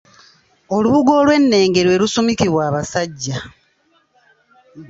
Olubugo olw'ennenge lwe lusumikibwa abasajja